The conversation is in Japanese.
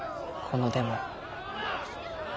このデモ。